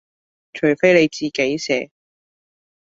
除非你自己寫